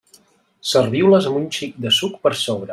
Serviu-les amb un xic de suc per sobre.